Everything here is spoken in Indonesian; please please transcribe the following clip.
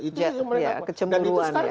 itu yang mereka apa ya kecembangan itu